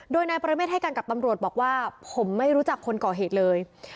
โดยนายปรเมฆให้กันกับตำรวจบอกว่าผมไม่รู้จักคนก่อเหตุเลย